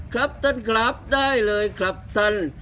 ครับท่านครับได้เลยครับท่าน